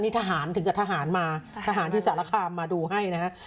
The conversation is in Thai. นี่ทหารถึงกับทหารมาทหารที่สารคามมาดูให้นะฮะ